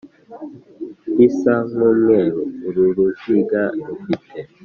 risa nk umweru Uru ruziga rufite